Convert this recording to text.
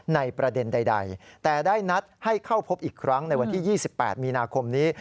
ในประเด็นใดแต่ได้นัดให้เข้าพบอีกครั้งในวันที่๒๘มีนาคมนี้